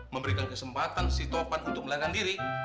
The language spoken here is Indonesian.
memberikan kesempatan si topan untuk melarikan diri